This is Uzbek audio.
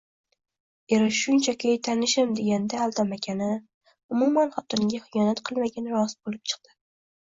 Eri shunchaki tanishim deganda aldamagani, umuman xotiniga xiyonat qilmagani rost bo`lib chiqdi